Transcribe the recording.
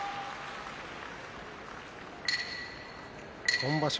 今場所